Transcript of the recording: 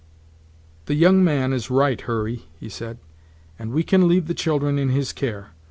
"The young man is right, Hurry," he said; "and we can leave the children in his care.